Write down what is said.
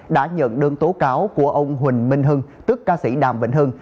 đã nhận đơn tố cáo của ông huỳnh minh hưng tức ca sĩ đàm vĩnh hưng